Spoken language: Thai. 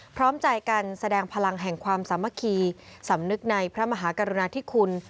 พร้อมใจกันแสดงพลังแห่งความสามัคคีสำนึกในพระมหากรุณาธิคุณ